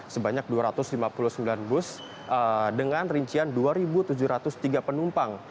sebanyak dua ratus lima puluh sembilan bus dengan rincian dua tujuh ratus tiga penumpang